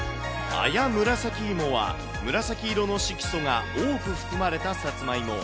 アヤムラサキイモは、紫色の色素が多く含まれたサツマイモ。